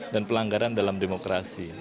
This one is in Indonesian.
dan pelanggaran dalam demokrasi